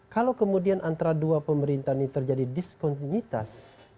kalau kemudian antara dua pemerintahan ini terjadi diskontinuitas